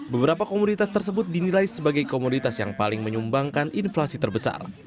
beberapa komoditas tersebut dinilai sebagai komoditas yang paling menyumbangkan inflasi terbesar